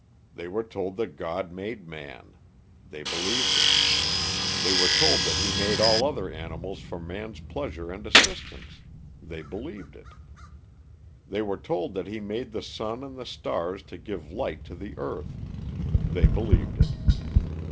They were told that God made man. They believed it. They were told that he made all other animals for man's pleasure and assistance. They believed it. They were told that he made the sun and the stars to give light to the earth. They believed it.